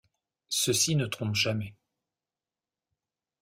Ceci ne trompe jamais.